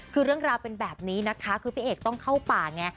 คือเรื่องราวเป็นแบบนี้นะคะคือพี่เอกต้องเข้าป่าไง